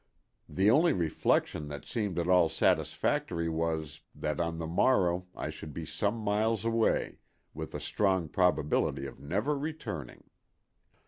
The only reflection that seemed at all satisfactory, was, that on the morrow I should be some miles away, with a strong probability of never returning.